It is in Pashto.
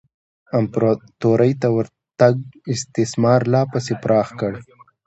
امپراتورۍ ته ورتګ استثمار لا پسې پراخ کړ.